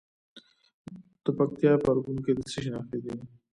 د پکتیکا په اورګون کې د څه شي نښې دي؟